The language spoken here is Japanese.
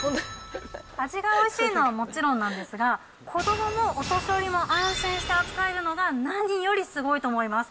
味がおいしいのはもちろんなんですが、子どももお年寄りも安心して扱えるのが、何よりすごいと思います。